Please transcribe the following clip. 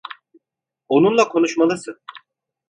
Onunla konuşmalısın.